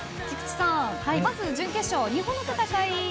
菊池さん、まず準決勝日本の戦い